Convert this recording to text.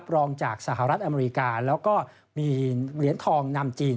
รองจากสหรัฐอเมริกาแล้วก็มีเหรียญทองนำจีน